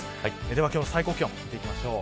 今日の最高気温見ていきましょう。